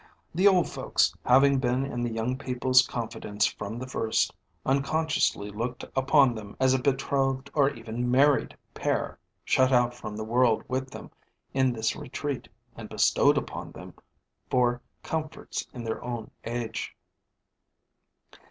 The old folks, having been in the young people's confidence from the first, unconsciously looked upon them as a betrothed or even married pair, shut out from the world with them in this retreat, and bestowed upon them for comforts in their old age.